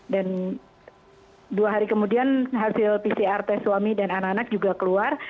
dan dua hari kemudian hasil pcr test suami dan anak anak juga keluar